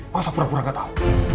masa pura pura gak tahu